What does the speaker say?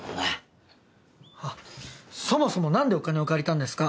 あっそもそも何でお金を借りたんですか？